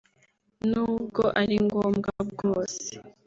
n’ubwo ari ngombwa bwose